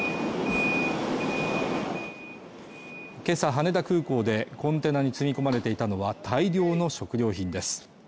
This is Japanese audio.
今朝羽田空港でコンテナに積み込まれていたのは大量の食料品です